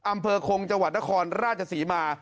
อำเภอคงจังหวัดนครราชศรีมา